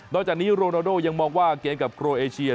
โดยจากนี้โรนาโดยังมองว่าเกรลดกับโคราเซีย